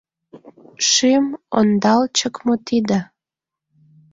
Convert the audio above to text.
Шӱм ондалчык мо тиде?